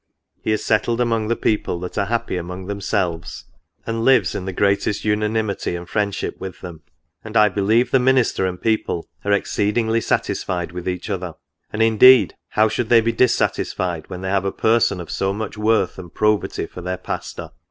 He is settled among the people, that are happy among themselves ; and lives in the greatest unanimity and friendship with them ; and, I believe, NOTES. 51 the minister and people are exceedingly satisfied with each other; and indeed how should they be dissatisfied, when they have a person of so much worth and probity for their pastor?